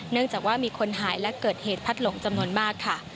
เนื่องจากว่ามีคนหายและเกิดเหตุพัดหลงจำนวนมากค่ะ